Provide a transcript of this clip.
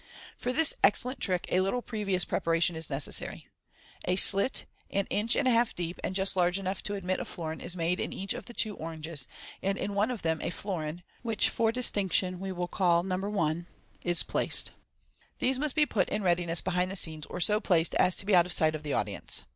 — For this excellent trick a little previous preparation is necessary. A slit, an inch and i half deep, and just large enough to admit a florin, is made in each of two oranges, and in one of them a florin (which for distinction we v trill call No. i) is placed. These must be put in readiness behind rhe scenes, or so placed as to be out of sight of the audience.